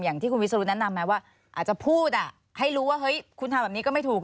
อย่างที่คุณวิศนุแนะนำไหมว่าอาจจะพูดให้รู้ว่าเฮ้ยคุณทำแบบนี้ก็ไม่ถูก